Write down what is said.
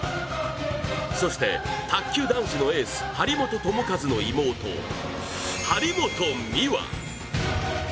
そして卓球男子のエース・張本智和の妹、張本美和。